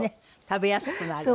食べやすくなる。